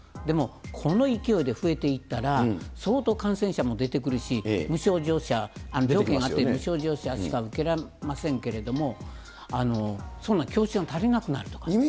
でもこの勢いで増えていったら、相当感染者も出てくるし、無症状者、病気があっても無症状者しか受けられませんけれども、それじゃ教室が足りなくなるとか。